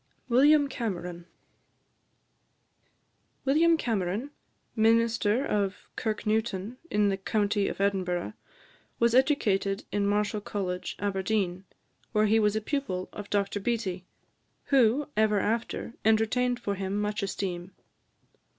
WILLIAM CAMERON. William Cameron, minister of Kirknewton, in the county of Edinburgh, was educated in Marischal College, Aberdeen, where he was a pupil of Dr Beattie, "who ever after entertained for him much esteem."